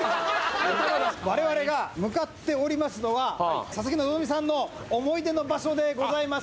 われわれが向かっておりますのは、佐々木希さんの思い出の場所でございます。